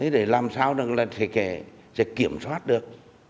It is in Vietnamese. để làm sao sẽ kiểm soát được